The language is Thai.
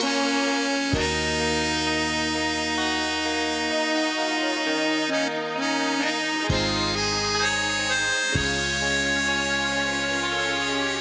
สวัสดีครับ